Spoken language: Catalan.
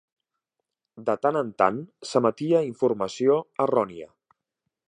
De tant en tant, s'emetia informació errònia.